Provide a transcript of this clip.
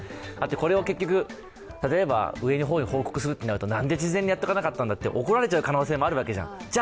これを結局、例えば上に報告するとなるとなんで事前に報告しなかったんだと怒られちゃう可能性があるじゃないですか。